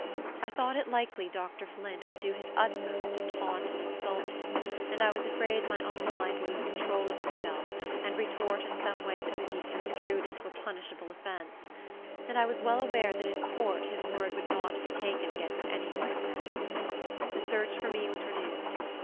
I thought it likely Dr. Flint would do his utmost to taunt and insult him, and I was afraid my uncle might lose control of himself, and retort in some way that would be construed into a punishable offence; and I was well aware that in court his word would not be taken against any white man's. The search for me was renewed.